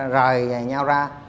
rời nhau ra